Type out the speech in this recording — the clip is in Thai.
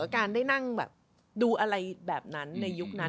การได้นั่งแบบดูอะไรแบบนั้นในยุคนั้น